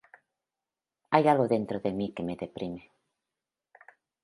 Hay algo dentro de mí que me deprime".